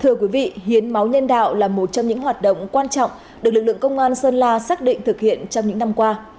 thưa quý vị hiến máu nhân đạo là một trong những hoạt động quan trọng được lực lượng công an sơn la xác định thực hiện trong những năm qua